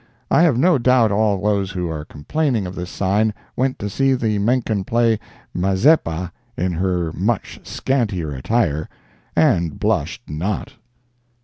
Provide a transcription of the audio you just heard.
I have no doubt all those who are complaining of this sign went to see the Menken play Mazeppa in her much scantier attire, and blushed not.